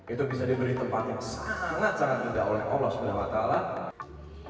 itu bisa diberi tempat yang sangat sangat indah oleh allah swt